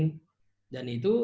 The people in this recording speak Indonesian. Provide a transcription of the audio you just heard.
dan itu itulah jurusan pemerintah itu